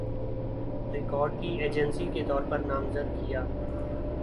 record کی agency کے طور پر نامزد کِیا